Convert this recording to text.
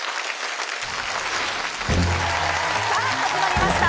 さあ、始まりました。